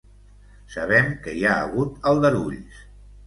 Sabem que hi hagut aldarulls.